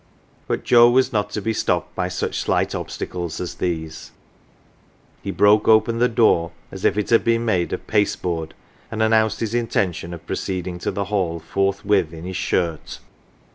But Joe was not to be stopped by such slight obstacles as these ; he broke open the door as if it had been made of pasteboard, and announced his intention of proceeding to the Hall forthwith in his shirt.